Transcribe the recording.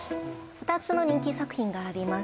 ２つの人気作品があります